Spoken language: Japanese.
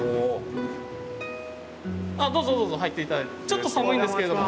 ちょっと寒いんですけれども。